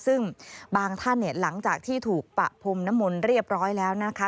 ซึ่งบางท่านเนี่ยหลังจากที่ถูกปะพรมนมลเรียบร้อยแล้วนะคะ